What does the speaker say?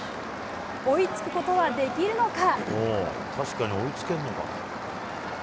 追いつくことはできるのか。